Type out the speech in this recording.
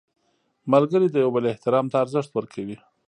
ملګری د یو بل احترام ته ارزښت ورکوي